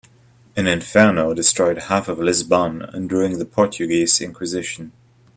An inferno destroyed half of Lisbon during the Portuguese inquisition.